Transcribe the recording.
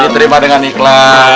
terima dengan ikhlas